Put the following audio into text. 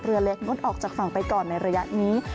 เรือเล็กงดออกจากฝั่งไปก่อนในระยะนี้